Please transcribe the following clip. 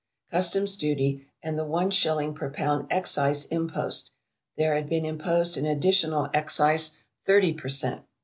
Customs' duty and the one shilling per pound Excise impost, there had been imposed an additional Excise 30 per cent.